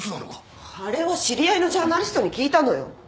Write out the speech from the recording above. あれは知り合いのジャーナリストに聞いたのよ。